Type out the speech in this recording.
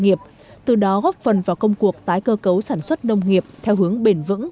nghiệp từ đó góp phần vào công cuộc tái cơ cấu sản xuất nông nghiệp theo hướng bền vững